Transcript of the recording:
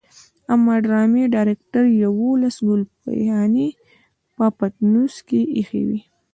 اما د ډرامې ډايرکټر يوولس ګلپيانې په پټنوس کې ايښې وي.